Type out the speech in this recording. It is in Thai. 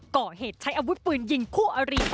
ก่อเหตุใช้อาวุธปืนยิงคู่อริ